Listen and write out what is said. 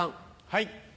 はい。